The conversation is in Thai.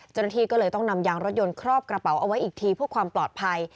เจ้าหน้าที่ก็เลยต้องนำยางรถยนต์ครอบกระเป๋าเอาไว้อีกทีเพื่อความปลอดภัย